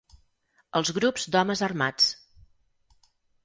Els grups d'homes armats.